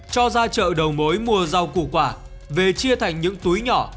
cho ra chợ đầu mối mua rau củ quả về chia thành những túi nhỏ